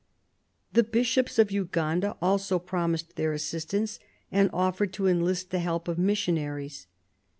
The Bishops of Uganda also promised their assistance, and offered to enlist the help of missionaries.